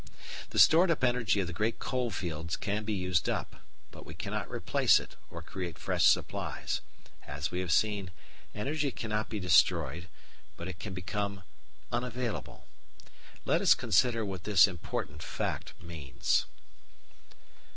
The stored up energy of the great coal fields can be used up, but we cannot replace it or create fresh supplies. As we have seen, energy cannot be destroyed, but it can become unavailable. Let us consider what this important fact means.